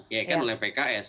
ya kan oleh pks